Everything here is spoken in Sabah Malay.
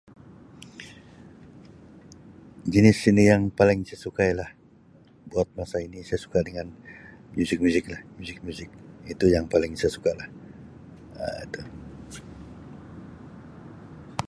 Jinis seni yang paling saya suka ialah buat masa ini saya suka dengan muzik-muzik lah. Muzik-muzik itu yang paling saya suka lah Um itu